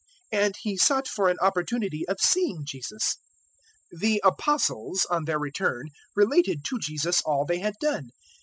And he sought for an opportunity of seeing Jesus. 009:010 The Apostles, on their return, related to Jesus all they had done.